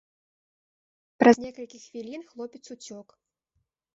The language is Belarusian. Праз некалькі хвілін хлопец уцёк.